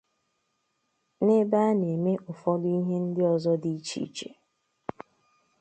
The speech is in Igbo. nà ebe a na-eme ụfọdụ ihe ndị ọzọ dị iche iche